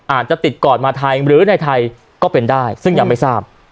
อาจจะติดก่อนมาไทยหรือในไทยก็เป็นได้ซึ่งยังไม่ทราบ